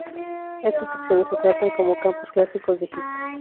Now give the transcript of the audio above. Estas secciones se tratan como campos clásicos de Higgs.